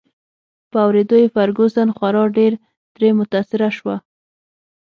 په اوریدو یې فرګوسن خورا ډېر ترې متاثره شوه.